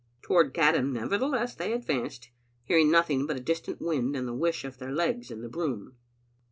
Toward Caddam, nevertheless, they advanced, hear ing nothing but a distant wind and llie whish of their legs in the broom.